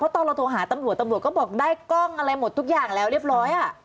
ตอนเราโทรหาตำรวจตำรวจก็บอกได้กล้องอะไรหมดทุกอย่างแล้วเรียบร้อย